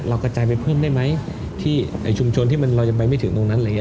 เรากระจายไปเพิ่มได้ไหมที่ชุมชนที่มันรอยไปไม่ถึงตรงนั้น